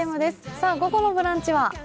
さあ、午後の「ブランチ」は？